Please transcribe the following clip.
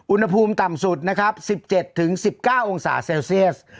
อุณหภูมิต่ำสุดนะครับสิบเจ็ดถึงสิบเก้าองสาเซลเซียส